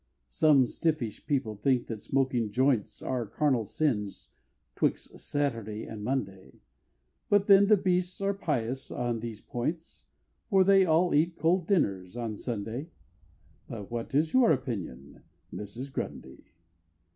Some stiffish people think that smoking joints Are carnal sins 'twixt Saturday and Monday But then the beasts are pious on these points, For they all eat cold dinners on a Sunday But what is your opinion, Mrs. Grundy?